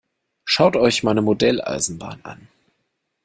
Schaut euch meine Modelleisenbahn an!